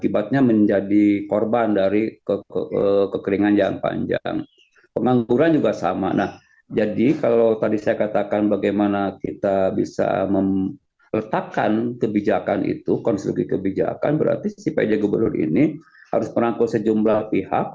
berarti si pj gubernur ini harus merangkul sejumlah pihak